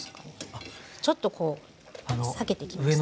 ちょっとこう裂けてきましたよね。